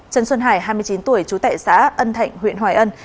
trần xuân hải hai mươi chín tuổi chú tệ xã ân thạnh huyện hoài ân